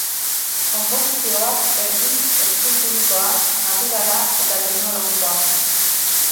Konposizio bat erdi eskulturikoa, naturala eta teknologikoa.